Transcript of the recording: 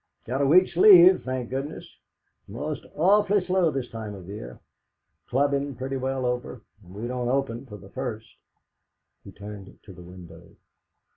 "Got a week's leave, thank goodness. Most awf'ly slow time of year. Cubbin's pretty well over, an' we don't open till the first." He turned to the window.